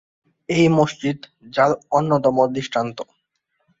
এই মসজিদ যার অন্যতম দৃষ্টান্ত।